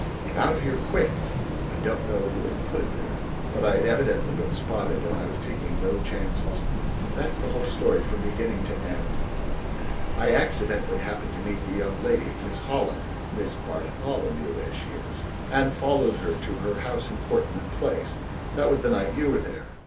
"'Get out of here quick' I don't know who had put it there, but I'd evidently been spotted and I was taking no chances. That's the whole story from beginning to end. I accidentally happened to meet the young lady, Miss Holland Miss Bartholomew as she is and followed her to her house in Portman Place. That was the night you were there."